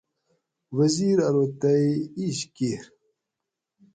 وزیر ارو تئ ایج کِیر